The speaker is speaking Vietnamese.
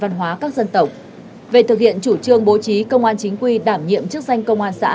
văn hóa các dân tộc về thực hiện chủ trương bố trí công an chính quy đảm nhiệm chức danh công an xã